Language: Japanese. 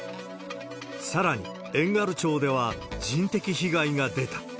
さらに、遠軽町では人的被害が出た。